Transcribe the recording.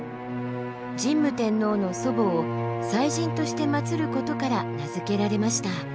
神武天皇の祖母を祭神として祀ることから名付けられました。